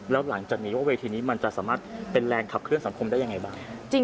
แล้วหลังจากนี้ว่าเวทีนี้มันจะสามารถเป็นแรงขับเคลื่อนสังคมได้ยังไงบ้าง